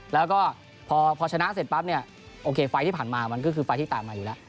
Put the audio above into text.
แล้วก็พอชนะเสร็จปั๊บเนี่ยโอเคไฟล์ที่ผ่านมามันก็คือไฟล์ที่ตามมาอยู่แล้ว